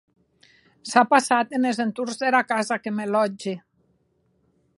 S’a passat enes entorns dera casa que me lòtgi.